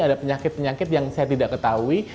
ada penyakit penyakit yang saya tidak ketahui